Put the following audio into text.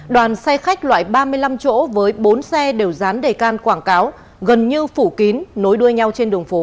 đoàn xe khách loại ba mươi năm chỗ với bốn xe đều dán đề can quảng cáo gần như phủ kín nối đuôi nhau trên đường phố